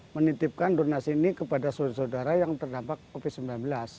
menitipkan donasi ini kepada saudara saudara yang terdampak covid sembilan belas